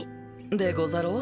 でござろう？